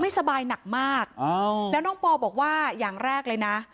สบายหนักมากแล้วน้องปอบอกว่าอย่างแรกเลยนะ